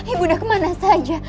ibu nda kemana saja